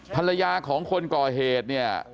ภรรยาของคนก่อเหตุเนี่ย